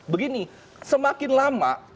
begini semakin lama